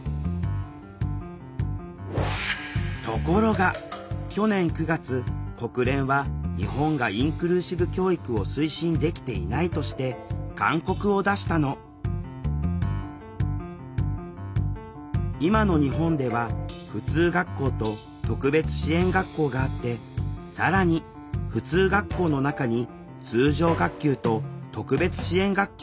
ところが去年９月国連は日本がインクルーシブ教育を推進できていないとして勧告を出したの今の日本では普通学校と特別支援学校があって更に普通学校の中に通常学級と特別支援学級があるの。